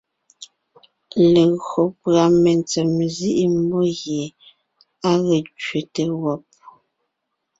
Legÿo pʉ́a mentsèm nzíʼi mmó gie á ge kẅete wɔ́b,